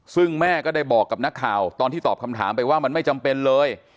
ซึ่งแม่ก็ได้บอกกับนักข่าวตอนที่ตอบคำถามไปว่ามันไม่จำเป็นเลย